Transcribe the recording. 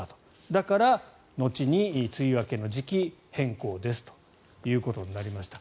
だから、後に梅雨明けの時期変更ですということになりました。